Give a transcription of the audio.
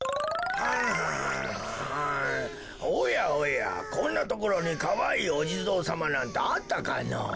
おやおやこんなところにかわいいおじぞうさまなんてあったかのぉ。